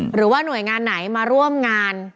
หรือว่าหน่วยงานไหนมาร่วมงาน